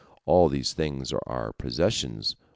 All these things are our possessions.